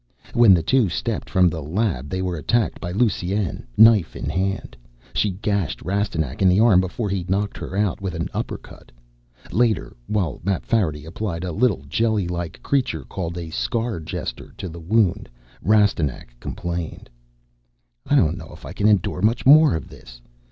When the two stepped from the lab they were attacked by Lusine, knife in hand. She gashed Rastignac in the arm before he knocked her out with an upper cut. Later, while Mapfarity applied a little jelly like creature called a scar jester to the wound, Rastignac complained: "I don't know if I can endure much more of this.